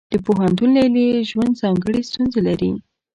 د پوهنتون لیلیې ژوند ځانګړې ستونزې لري.